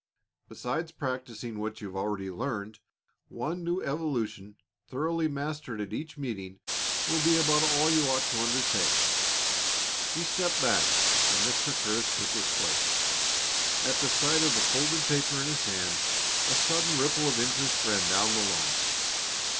Besides practising what you've already learned, one new evolution thoroughly mastered at each meeting will be about all you ought to undertake." He stepped back, and Mr. Curtis took his place. At the sight of the folded paper in his hand a sudden ripple of interest ran down the line.